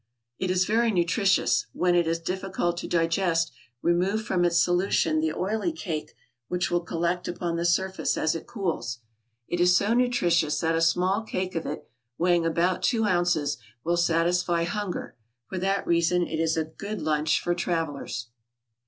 It is very nutritious; when it is difficult to digest remove from its solution the oily cake which will collect upon the surface as it cools. It is so nutritious that a small cake of it, weighing about two ounces, will satisfy hunger; for that reason it is a good lunch for travellers.